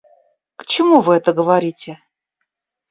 К чему вы это говорите?